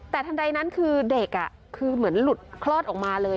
แต่ทันใดนั้นคือเด็กคือเหมือนหลุดคลอดออกมาเลย